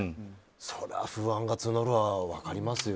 それは不安が募るのは分かりますよ。